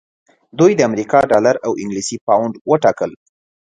دوی د امریکا ډالر او انګلیسي پونډ وټاکل.